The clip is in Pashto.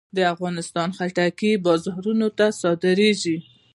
د افغانستان خټکی بازارونو ته صادرېږي.